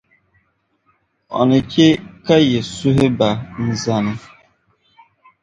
o ni chɛ ka yi suhuri ba n-zani.